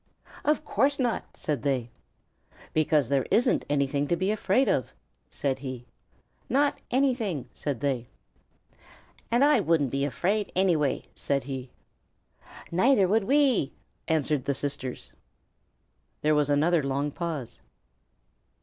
"Of course not," said they. "Because there isn't anything to be afraid of," said he. "Not anything," said they. "And I wouldn't be afraid anyway," said he. "Neither would we," answered the sisters. There was another long pause.